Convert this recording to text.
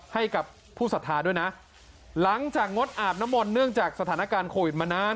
ให้กับผู้สัทธาด้วยนะหลังจากงดอาบน้ำมนต์เนื่องจากสถานการณ์โควิดมานาน